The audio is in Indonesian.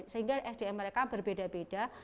sehingga sdm mereka berbeda beda